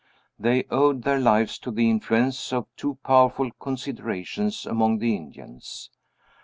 They owed their lives to the influence of two powerful considerations among the Indians.